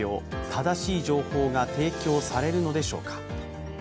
正しい情報が提供されるのでしょうか。